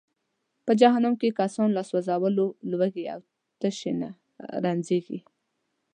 په جهنم کې کسان له سوځولو، لوږې او تشې نه رنجیږي.